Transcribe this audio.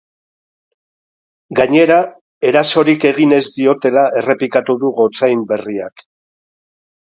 Gainera, erasorik egin ez diotela errepikatu du gotzain berriak.